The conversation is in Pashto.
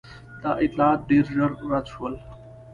دا اطلاعات ډېر ژر رد شول.